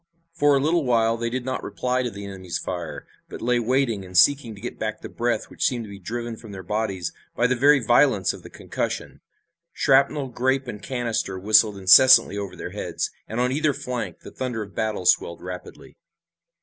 For a little while they did not reply to the enemy's fire, but lay waiting and seeking to get back the breath which seemed to be driven from their bodies by the very violence of the concussion. Shrapnel, grape and canister whistled incessantly over their heads, and on either flank the thunder of the battle swelled rapidly.